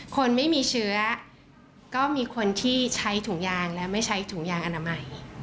คนไม่มีเชื้อก็มีคนที่ใช้ถุงยางและไม่ใช้ถุงยางอนามัย